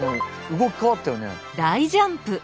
動き変わったよね？